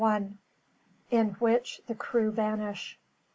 IN WHICH THE CREW VANISH.